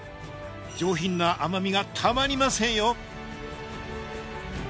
上品な甘味がたまりませんよ